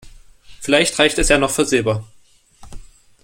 Vielleicht reicht es ja noch für Silber.